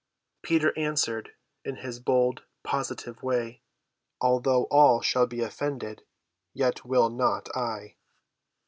Peter answered in his bold, positive way, "Although all shall be offended, yet will not I."